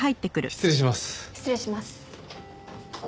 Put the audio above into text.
失礼します。